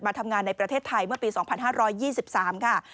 ทำงานในประเทศไทยเมื่อปี๒๕๒๓ค่ะ